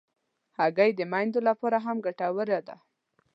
هګۍ د میندو لپاره هم ګټوره ده.